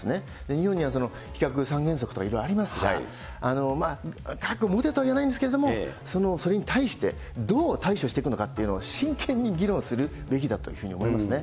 日本には非核三原則とかいろいろありますが、核を持てとは言わないんですけれども、それに対して、どう対処していくのかというのを、真剣に議論するべきだというふうに思いますね。